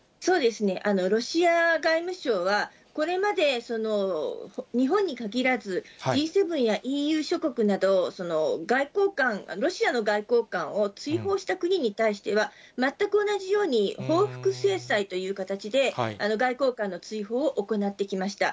ロシア外務省は、これまで日本に限らず、Ｇ７やＥＵ諸国など、外交官、ロシアの外交官を追放した国に対しては、全く同じように報復制裁という形で外交官の追放を行ってきました。